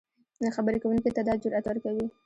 خبرې کوونکي ته دا جرات ورکوي